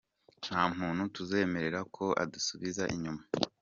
Nta muntu tuzemerera ko adusubiza inyuma.